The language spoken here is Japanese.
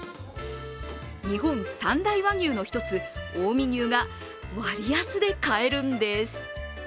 日本三大和牛の一つ近江牛が割安で買えるんです。